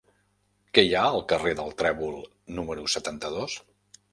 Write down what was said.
Què hi ha al carrer del Trèvol número setanta-dos?